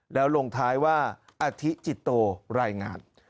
แล้วลงท้ายว่าอธิจิตโตรายงาน